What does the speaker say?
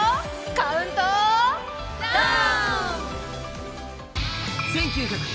カウントダウン！